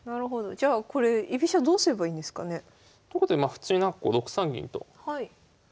じゃあこれ居飛車どうすればいいんですかね。ということで普通に６三銀と展開します。